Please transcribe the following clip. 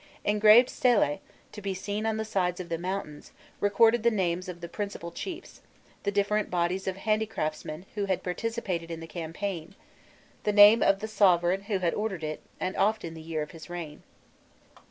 Engraved stelæ, to be seen on the sides of the mountains, recorded the names of the principal chiefs, the different bodies of handicraftsmen who had participated in the campaign, the name of the sovereign who had ordered it and often the year of his reign.